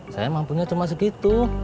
saya mampunya cuma segitu